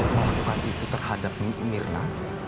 melakukan itu terhadap mirna